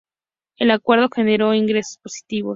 El acuerdo generó ingresos positivos.